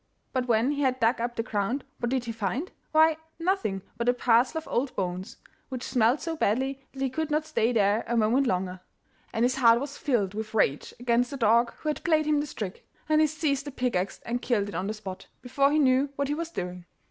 But when he had dug up the ground, what did he find? Why, nothing but a parcel of old bones, which smelt so badly that he could not stay there a moment longer. And his heart was filled with rage against the dog who had played him this trick, and he seized a pickaxe and killed it on the spot, before he knew what he was doing.